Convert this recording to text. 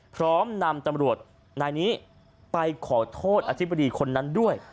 พร้อมนำตำรวจนายนี้ไปขอโทษอธิบดีคนนั้นด้วย